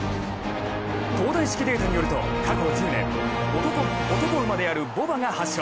東大式データによると過去１０年おとこ馬である牡馬が８勝。